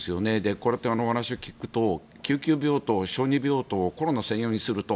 これってお話を聞くと救急病棟、小児病棟をコロナ専用にすると。